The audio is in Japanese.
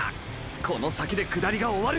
この先で下りが終わる！